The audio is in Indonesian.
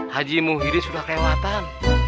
haji muhyiddin sudah kelewatan